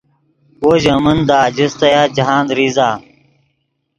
وو ژے من دے آجستایا جاہندہ ریزہ